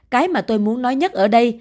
cái mà tôi muốn nói nhất ở đây